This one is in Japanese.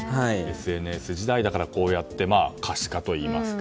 ＳＮＳ時代だからこうやって可視化といいますか。